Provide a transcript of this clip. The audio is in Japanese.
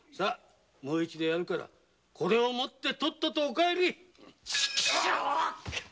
もう一度やるからこれを持ってとっととお帰りちくしょうおら